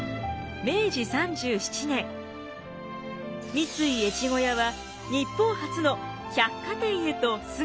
三井越後屋は日本初の百貨店へと姿を変えました。